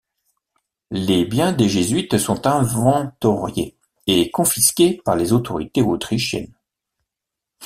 Les biens des jésuites sont inventoriés et confisqués par les autorités autrichiennes.